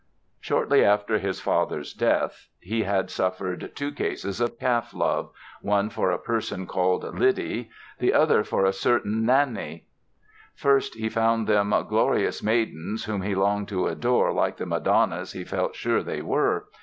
Shortly after his father's death he had suffered two cases of calf love—one for a person called Liddy, the other for a certain Nanni. First he found them "glorious maidens", whom he longed to adore like the madonnas he felt sure they were.